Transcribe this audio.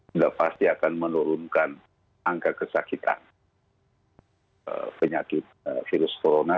sudah pasti akan menurunkan angka kesakitan penyakit virus corona